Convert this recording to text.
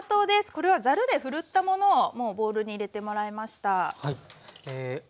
これはざるでふるったものをもうボウルに入れてもらいました。